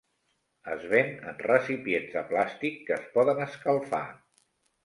Es ven en recipients de plàstic que es poden escalfar.